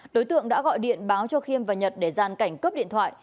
đối tượng đã gọi điện báo cho khiêm và nhật để gian cảnh cướp điện thoại